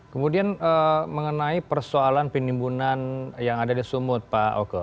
kemudian mengenai persoalan penimbunan yang ada di sumut pak oke